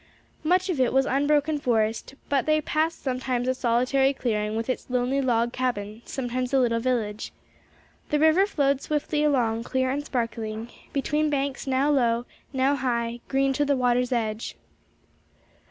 Much of it was unbroken forest, but they passed sometimes a solitary clearing with its lonely log cabin, sometimes a little village. The river flowed swiftly along, clear and sparkling, between banks now low, now high, green to the water's edge.